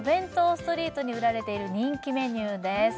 ストリートに売られている人気メニューです